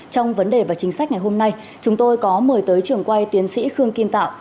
trong vấn đề và chính sách ngày hôm nay chúng tôi có mời tới trường quay tiến sĩ khương kim tạo